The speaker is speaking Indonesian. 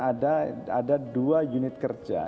ada dua unit kerja